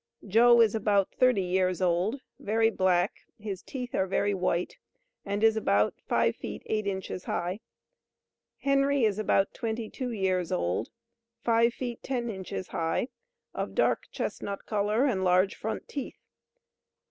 JOE is about 30 years old, very black, his teeth are very white, and is about five feet eight inches high. HENRY is about 22 years old, five feet ten inches high, of dark chestnut color and large front teeth.